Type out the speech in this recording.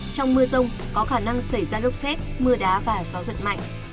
trong mưa rông có khả năng xảy ra lốc xét mưa đá và gió giật mạnh